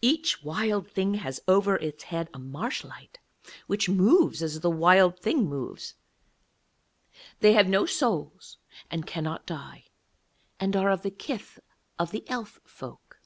Each Wild Thing has over its head a marsh light, which moves as the Wild Thing moves; they have no souls, and cannot die, and are of the kith of the Elf folk.